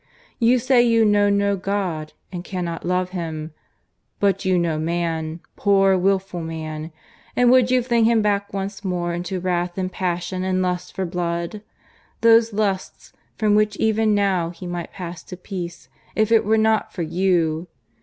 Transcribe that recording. You say you know no God, and cannot love Him; but you know man poor wilful man and would you fling him back once more into wrath and passion and lust for blood? those lusts from which even now he might pass to peace if it were not for you.